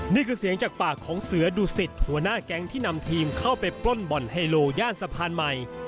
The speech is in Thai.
นี่คือเสียงจากปากของเสือดุสิตหัวหน้าแก๊งที่นำทีมเข้าไปปล้นบ่อนไฮโลย่านสะพานใหม่